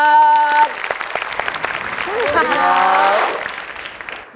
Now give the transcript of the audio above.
สวัสดีครับ